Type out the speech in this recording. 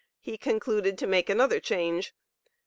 He concluded to make another change.